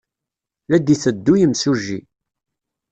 La d-yetteddu yimsujji.